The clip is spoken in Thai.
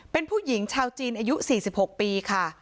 เป็นผู้หญิงชาวจีนอายุ๔๖ปีค่ะ